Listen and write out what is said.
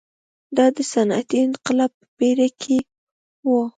دا د صنعتي انقلاب په پېر کې و.